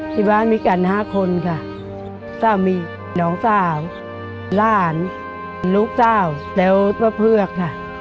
ที่บ้านมีกัน๕คนค่ะส้ามีน้องชาวล้านลุคชาวเจ้าพะเพลิกค่ะ